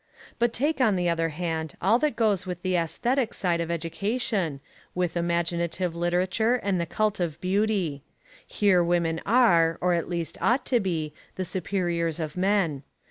But take, on the other hand, all that goes with the aesthetic side of education, with imaginative literature and the cult of beauty. Here women are, or at least ought to be, the superiors of men.